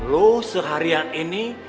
lu seharian ini